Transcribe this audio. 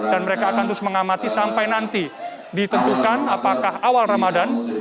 dan mereka akan terus mengamati sampai nanti ditentukan apakah awal ramadan